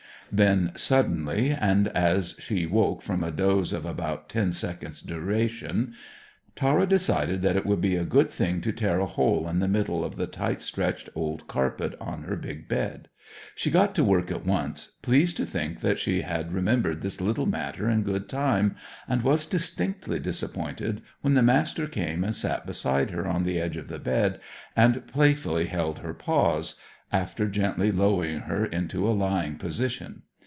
Then, suddenly, and as she woke from a doze of about ten seconds' duration, Tara decided that it would be a good thing to tear a hole in the middle of the tight stretched old carpet on her big bed. She got to work at once, pleased to think that she had remembered this little matter in good time, and was distinctly disappointed when the Master came and sat beside her on the edge of the bed and playfully held her paws, after gently lowering her into a lying position.